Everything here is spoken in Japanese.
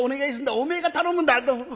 おめえが頼むんだ」。